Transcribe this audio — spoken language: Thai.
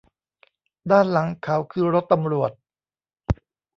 ด้านหลังเขาคือรถตำรวจ